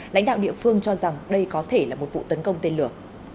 lãnh đạo địa phương cho rằng đây có thể là một vụ tấn công tên lửa